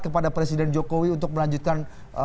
kepada presiden jokowi untuk melanjutkan